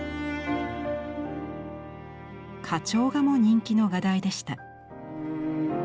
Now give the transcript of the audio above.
花鳥画も人気の画題でした。